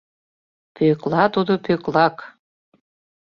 Пӧкла тудо Пӧклак.